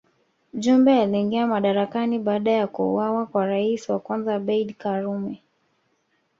Jumbe aliingia madarakani baada ya kuuawa kwa rais wa kwanza Abeid Karume